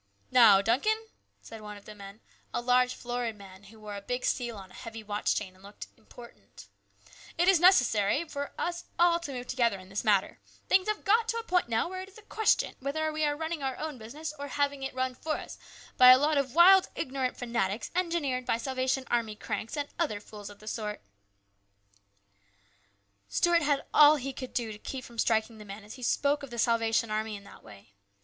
" Now, Duncan," said one of the men, a large florid man, who wore a big seal on a heavy watch chain and looked " important," " it is necessary for us all to move together in this matter ; things have got to a point now where it is a question whether we are running our own business or having it run for us by a lot of wild, ignorant fanatics engineered by Salvation Army cranks, and other fools of the sort." Stuart had all he could do to keep from striking the man as he spoke of the Salvation Army in that way.